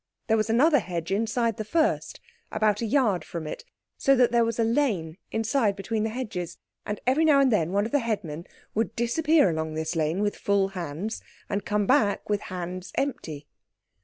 There was another hedge inside the first, about a yard from it, so that there was a lane inside between the hedges. And every now and then one of the headmen would disappear along this lane with full hands and come back with hands empty.